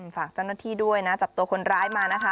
ฝากเจ้าหน้าที่ด้วยนะจับตัวคนร้ายมานะคะ